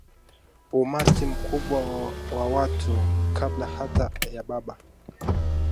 umati mkubwa wa watu Kabla hata ya Baba